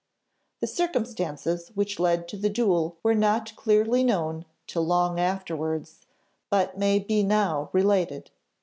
The circumstances which led to the duel were not clearly known till long afterwards, but may be now related.